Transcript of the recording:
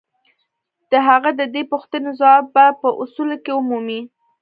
د هغه د دې پوښتنې ځواب به په اصولو کې ومومئ.